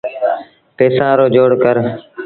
پئيٚسآݩ رو جوڙ ڪر۔